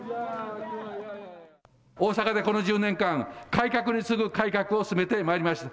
大阪でこの１０年間、改革に次ぐ改革を進めてまいりました。